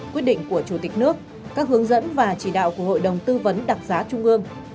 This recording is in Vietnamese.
quyết định của chủ tịch nước các hướng dẫn và chỉ đạo của hội đồng tư vấn đặc giá trung ương